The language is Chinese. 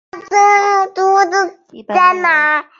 一般认为大多数土着部落群体的祖先从西藏迁移到此。